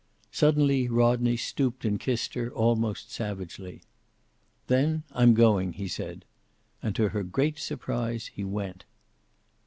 Suddenly Rodney stooped and kissed her, almost savagely. "Then I'm going," he said. And to her great surprise he went.